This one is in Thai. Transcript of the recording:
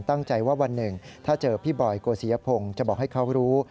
ตั้งใจว่าวันหนึ่งถ้าเจอพี่บอยโกศิยพงศ์จะบอกให้เขารู้